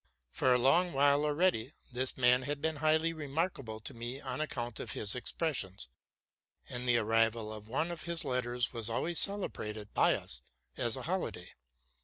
For a long while already this man had been highly remarkable to me on ac count of his expressions, and the arrival of one of his letters was always celebrated by us as a holiday.